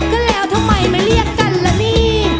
ก็แล้วทำไมไม่เรียกกันล่ะนี่